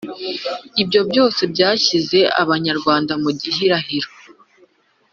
ibyo byose byashyize Abanyarwanda mu gihirahiro.